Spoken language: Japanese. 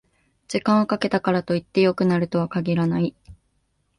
時間をかけたからといって良くなるとは限らない